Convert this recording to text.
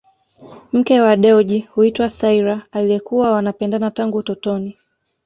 Mke wa Dewji huitwa Saira aliyekuwa wanapendana tangu utotoni